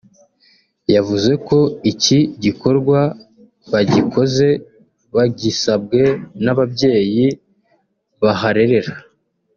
yavuze ko iki gikorwa bagikoze bagisabwe n’ababyeyi baharerera